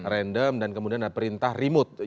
random dan kemudian ada perintah remote